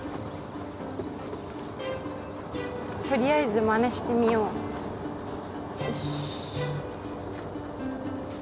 とりあえずまねしてみよう。